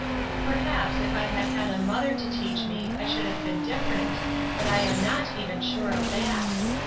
"Perhaps if I had had a mother to teach me I should have been different; but I am not even sure of that.